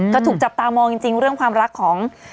ก็ถูกจับตามองจริงเรื่องความรักของ